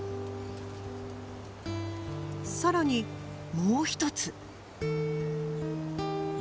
更にもう一つ。